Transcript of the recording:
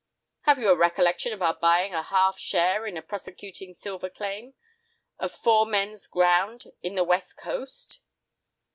"Have you any recollection of our buying a half share in a prospecting silver claim, of four men's ground, in the West Coast?"